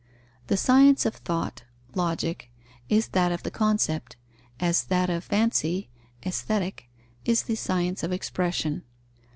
The science of thought (Logic) is that of the concept, as that of fancy (Aesthetic) is the science of expression.